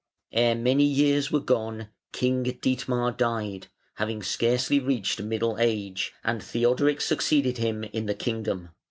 Ere many years were gone King Dietmar died, having scarcely reached middle age, and Theodoric succeeded him in the kingdom.